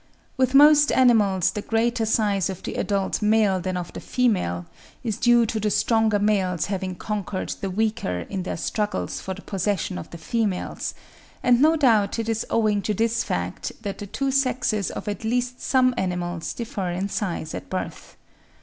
With most animals the greater size of the adult male than of the female, is due to the stronger males having conquered the weaker in their struggles for the possession of the females, and no doubt it is owing to this fact that the two sexes of at least some animals differ in size at birth.